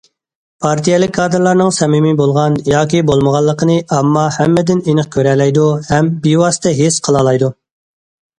پارتىيەلىك كادىرلارنىڭ سەمىمىي بولغان ياكى بولمىغانلىقىنى ئامما ھەممىدىن ئېنىق كۆرەلەيدۇ ھەم بىۋاسىتە ھېس قىلالايدۇ.